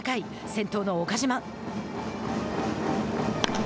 先頭の岡島。